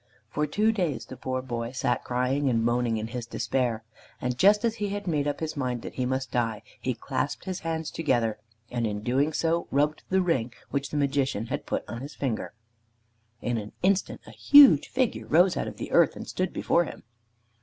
For two days the poor boy sat crying and moaning in his despair, and just as he had made up his mind that he must die, he clasped his hands together, and in doing so rubbed the ring which the Magician had put upon his finger. In an instant a huge figure rose out of the earth and stood before him.